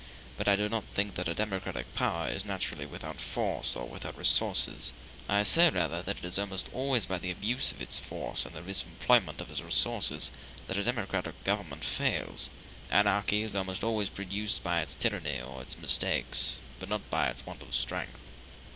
But I do not think that a democratic power is naturally without force or without resources: say, rather, that it is almost always by the abuse of its force and the misemployment of its resources that a democratic government fails. Anarchy is almost always produced by its tyranny or its mistakes, but not by its want of strength.